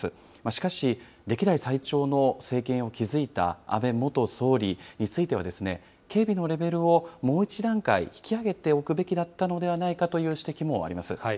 しかし、歴代最長の政権を築いた安倍元総理については、警備のレベルをもう一段階、引き上げておくべきだったのではないかという指摘もあります。